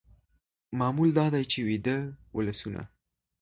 معمول دا دی چې ویده ولسونه